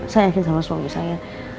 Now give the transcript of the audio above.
saya yakin sama suami saya